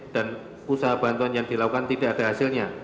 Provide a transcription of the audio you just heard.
dan usaha bantuan yang dilakukan tidak ada hasilnya